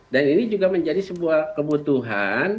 dan ini juga menjadi sebuah kebutuhan